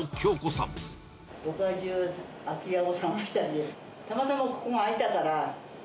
そこらじゅう、空き家を探して、たまたまここが空いたから。